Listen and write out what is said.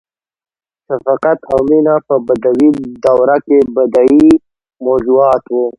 • شفقت او مینه په بدوي دوره کې بدیعي موضوعات وو.